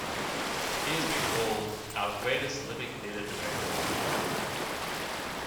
He has been called "our greatest living theatre director".